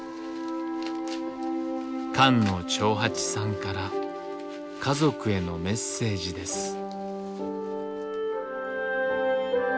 菅野長八さんから家族へのメッセージです。